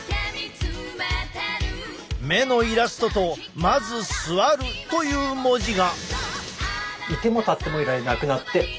目のイラストと「マズスワル」という文字が。